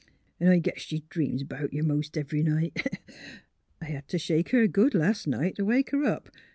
'N' I guess she dreams 'bout you 'most every night. I had t' shake her good las' night t' wake her up.